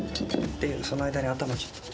でその間に頭ちょっと。